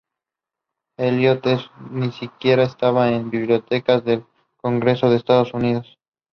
There will also be clear plastic guards to separate the celebrities.